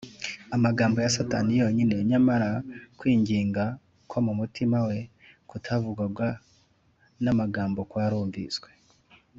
amagambo ya satani yonyine, nyamara kwinginga ko mu mutima we kutavugwagwa n’amagambo kwarumviswe